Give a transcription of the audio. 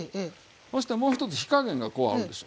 ほしてもう一つ火加減がこうあるでしょ。